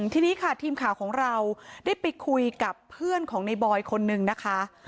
ทีนี้ค่ะทีมข่าวของเราได้ไปคุยกับเพื่อนของในบอยคนนึงนะคะ